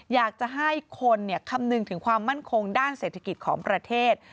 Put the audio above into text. อยากจะให้คนคำนึงถึงความมั่นคงด้านเศรษฐกิจของประเทศ